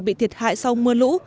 bị thiệt hại sau mưa lũ